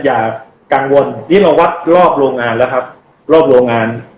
อย่ากังวลนี่เราวัดรอบโรงงานแล้วครับรอบโรงงาน